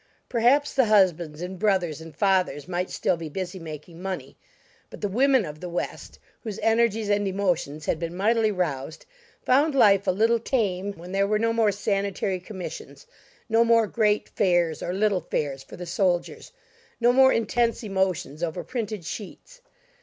Perhaps the husbands and brothers and fathers might still be busy making money; but the women of the West, whose energies and emotions had been mightily roused, found life a little tame when there were no more sanitary commissions, no more great fairs or little fairs for the soldiers, no more intense emotions over printed sheets.